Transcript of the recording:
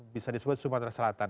bisa disebut sumatera selatan